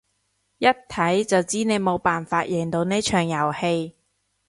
一睇就知你冇辦法贏到呢場遊戲